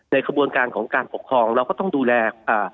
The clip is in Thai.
ขบวนการของการปกครองเราก็ต้องดูแลอ่า